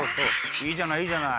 いいじゃないいいじゃない。